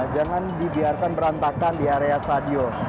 jangan dibiarkan berantakan di area stadion